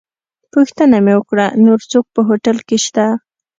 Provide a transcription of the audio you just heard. پوښتنه مې وکړه چې نور څوک په هوټل کې شته.